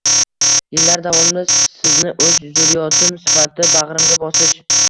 Yillar davomida sizni o'z zurriyotim sifatida bag'rimga bosish